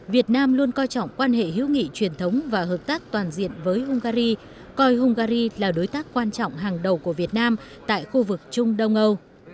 việt nam luôn coi trọng quan hệ hữu nghị truyền thống và hợp tác toàn diện với hungary coi hungary là đối tác quan trọng hàng đầu của việt nam tại khu vực trung đông âu